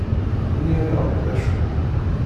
Ini-aneɣ-d d acu-t.